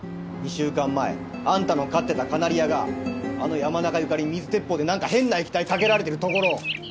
２週間前あんたの飼ってたカナリアがあの山中由佳里に水鉄砲でなんか変な液体かけられてるところを。